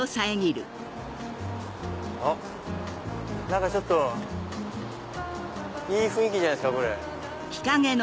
あっ何かちょっといい雰囲気じゃないですか？